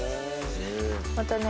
またね